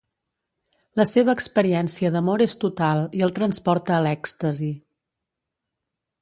La seva experiència d'amor és total i el transporta a l'èxtasi.